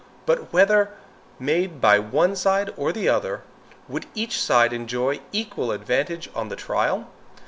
But whether made by one side or the other, would each side enjoy equal advantages on the trial?